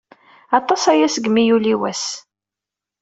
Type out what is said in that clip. Aṭas aya segmi yuli wass.